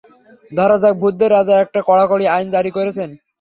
ধরা যাক, ভূতদের রাজা একটা কড়াকড়ি আইন জারি করেছেন।